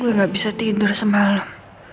gue gak bisa tidur semalem